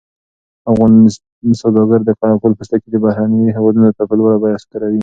افغان سوداګر د قره قل پوستکي بهرنیو هېوادونو ته په لوړه بیه صادروي.